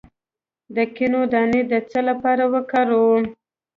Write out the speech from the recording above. د کینو دانه د څه لپاره وکاروم؟